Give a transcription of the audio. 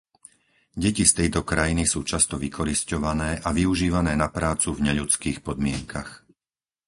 Deti z tejto krajiny sú často vykorisťované a využívané na prácu v neľudských podmienkach.